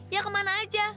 ya kemana aja